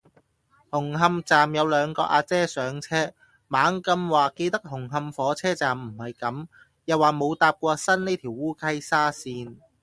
紅磡站有兩個阿姐上車，猛咁話記得紅磡火車站唔係噉，又話冇搭過新呢條烏溪沙綫